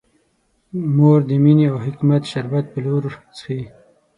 مور د مینې او حکمت شربت په لور څښي.